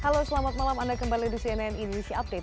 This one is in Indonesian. halo selamat malam anda kembali di cnn indonesia update